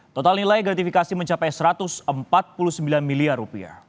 total nilai gratifikasi mencapai rp satu ratus empat puluh sembilan miliar